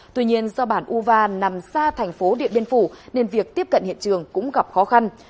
tuy nhiên do bản uva nằm xa thành phố điện biên phủ nên việc tiếp cận hiện trường cũng gặp khó khăn